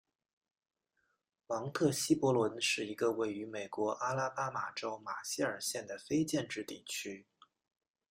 芒特希伯伦是一个位于美国阿拉巴马州马歇尔县的非建制地区。